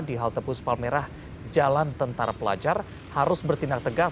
di halte bus palmerah jalan tentara pelajar harus bertindak tegas